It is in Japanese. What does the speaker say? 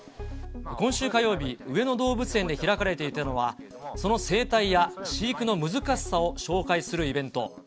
今週火曜日、上野動物園で開かれていたのは、その生態や飼育の難しさを紹介するイベント。